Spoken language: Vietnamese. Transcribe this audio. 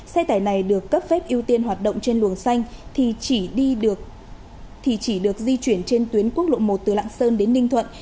xe tải này được cấp phép ưu tiên hoạt động trên luồng xanh thì chỉ được di chuyển trên tuyến quốc lộ một từ lạng sơn đến ninh thuận